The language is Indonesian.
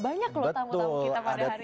banyak loh tamu tamu kita pada hari ini